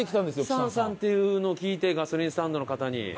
プサンさんっていうのを聞いてガソリンスタンドの方に。